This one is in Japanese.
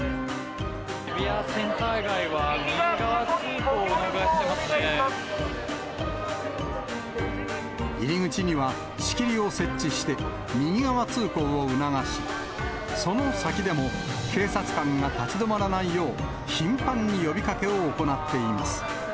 渋谷センター街は、右側通行入り口には、仕切りを設置して、右側通行を促し、その先でも、警察官が立ち止まらないよう、頻繁に呼びかけを行っています。